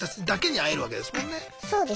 あそうです